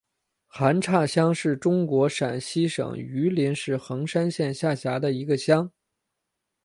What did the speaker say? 韩岔乡是中国陕西省榆林市横山县下辖的一个乡。